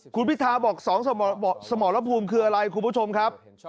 คุณพิทาบอก๒สมรภูมิคืออะไรคุณผู้ชมครับ